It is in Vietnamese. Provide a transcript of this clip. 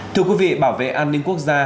thưa quý vị bảo vệ an ninh quốc gia